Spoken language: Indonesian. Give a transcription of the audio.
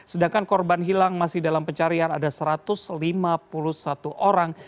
sedangkan korban hilang masih dalam pencarian ada satu ratus lima puluh satu orang